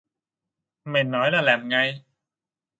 Mẹ nói là làm ngay